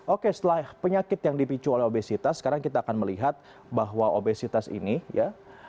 oke setelah penyakit yang dipicu oleh obesitas sekarang kita akan melihat bahwa obesitas ini ya